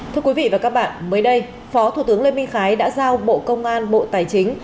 thưa quý vị và các bạn mới đây phó thủ tướng lê minh khái đã giao bộ công an bộ tài chính